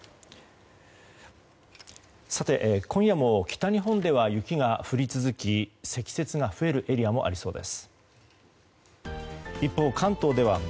さて、今夜も北日本では雪が降り続き積雪が増えるエリアもありそうです。